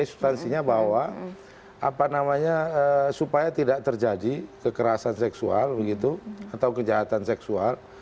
substansinya bahwa apa namanya supaya tidak terjadi kekerasan seksual begitu atau kejahatan seksual